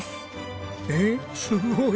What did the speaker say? えっすごい！